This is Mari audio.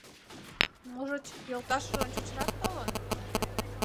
Можыч, йолташыже ончычрак толын?